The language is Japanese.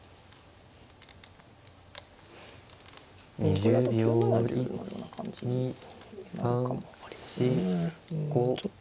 これだと９七竜のような感じになるかも分かりませんね。